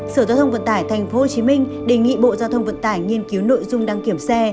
sở giao thông vận tải tp hcm đề nghị bộ giao thông vận tải nghiên cứu nội dung đăng kiểm xe